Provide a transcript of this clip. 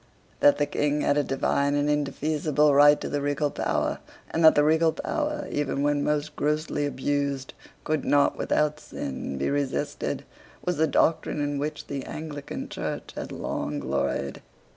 That the King had a divine and indefeasible right to the regal power, and that the regal power, even when most grossly abused, could not without sin, be resisted, was the doctrine in which the Anglican Church had long gloried.